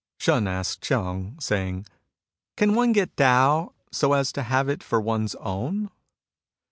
Shun asked Ch'eng, saying :" Can one get Tao so as to have it for one's own